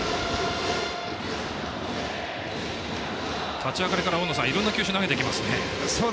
立ち上がりからいろんな球種を投げてきますね。